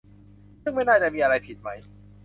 ซึ่งไม่น่าจะมีอะไรผิดไหม ?